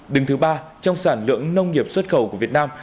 đứng thứ ba trong sản lượng nông nghiệp xuất khẩu của việt nam